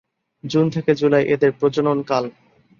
June থেকে July এদের প্রজনন কাল।